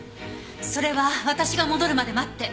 それは私が戻るまで待って。